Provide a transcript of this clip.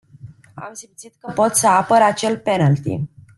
Am simțit că pot să apăr acel penalty.